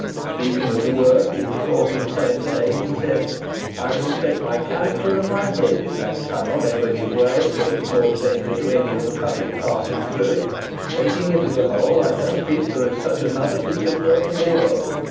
Speaking of the work, in the course of the same day, he said, "I will stake my character and my head, if that tunnel ever give way, so as to cause danger to any of the public passing through it. Taking it as a whole, I don't think there is such another piece of work in the world.